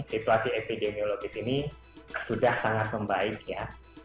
situasi epidemiologis ini sudah sangat membaik ya